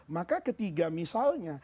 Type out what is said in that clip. maka ketiga misalnya